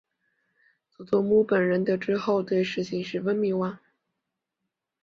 佐佐木本人得知后对事情十分迷惘。